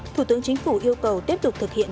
thủ tướng chính phủ yêu cầu tiếp tục thực hiện